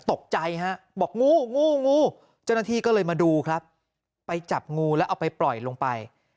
ตกใจฮะบอกงูงูงูเจ้าหน้าที่ก็เลยมาดูครับไปจับงูแล้วเอาไปปล่อยลงไป